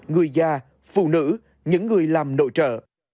người già phụ nữ những người làm nội trợ